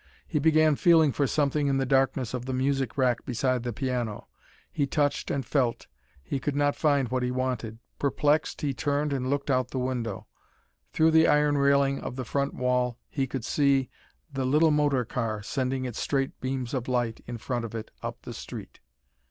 He began feeling for something in the darkness of the music rack beside the piano. He touched and felt he could not find what he wanted. Perplexed, he turned and looked out of the window. Through the iron railing of the front wall he could see the little motorcar sending its straight beams of light in front of it, up the street.